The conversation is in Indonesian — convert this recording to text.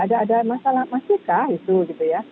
ada masalah masjid kah itu gitu ya